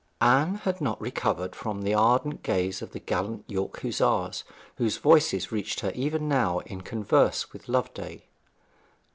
Anne had not recovered from the ardent gaze of the gallant York Hussars, whose voices reached her even now in converse with Loveday.